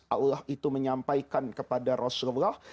allah itu menyampaikan kepada rasulullah